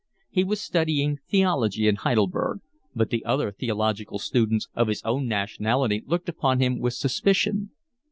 He was studying theology in Heidelberg, but the other theological students of his own nationality looked upon him with suspicion.